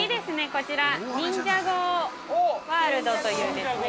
こちらニンジャゴー・ワールドというエリアに。